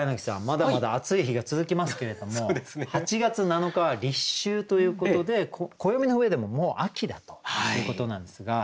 まだまだ暑い日が続きますけれども８月７日は立秋ということで暦の上でももう秋だということなんですが。